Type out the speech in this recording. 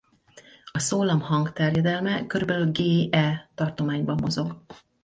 A szólam hangterjedelme körülbelül g-e tartományban mozog.